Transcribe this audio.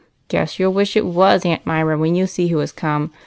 " Guess you '11 wish it was Aunt Myra when you see who has come.